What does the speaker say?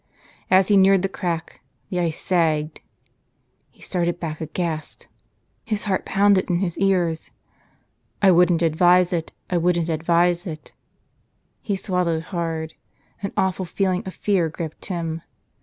As he neared the crack the ice sagged. He started back aghast. His heart pounded in his ears. "I wouldn't advise it. I wouldn't advise it." He swallowed hard. An awful feeling of fear gripped him.